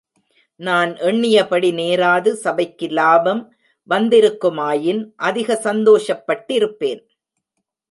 நான் எண்ணியபடி நேராது, சபைக்கு லாபம் வந்திருக்குமாயின், அதிக சந்தோஷப்பட்டிருப்பேன்.